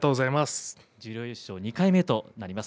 十両優勝２回目となります。